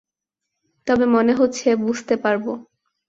তবে মনে হচ্ছে বুঝতে পারব।